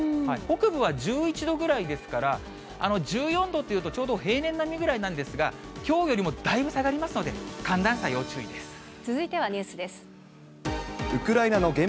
北部は１１度ぐらいですから、１４度っていうと、ちょうど平年並みぐらいなんですが、きょうよりもだいぶ下がりますので、寒暖差要注意です。